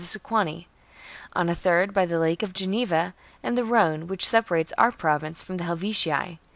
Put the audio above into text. c. the Sequani ; on a third by the Lake of Geneva and the Rhone, which separates our Province from the Helvetii.